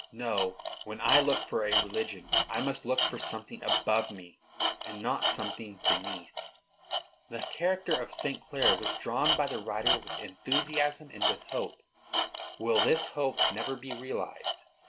No! When I look for a religion, I must look for something above me, and not something beneath." The character of St. Clare was drawn by the writer with enthusiasm and with hope. Will this hope never be realized?